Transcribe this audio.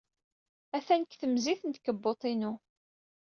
Atan deg temzit n tkebbuḍt-inu.